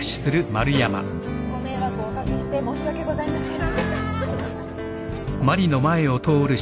ご迷惑をお掛けして申し訳ございません。